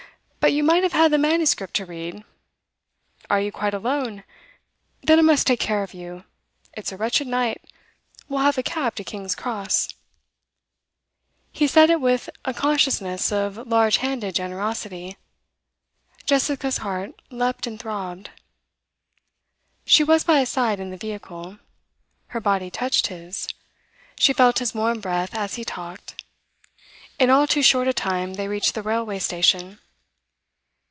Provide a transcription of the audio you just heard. But you might have had the manuscript to read. Are you quite alone? Then I must take care of you. It's a wretched night; we'll have a cab to King's Cross.' He said it with a consciousness of large handed generosity. Jessica's heart leapt and throbbed. She was by his side in the vehicle. Her body touched his. She felt his warm breath as he talked. In all too short a time they reached the railway station.